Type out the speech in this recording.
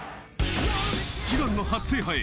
悲願の初制覇へ！